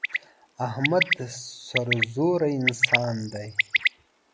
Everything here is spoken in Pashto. احمد سرزوره انسان دی.